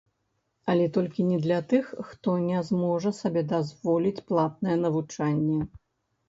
Але толькі не для тых, хто не зможа сабе дазволіць платнае навучанне.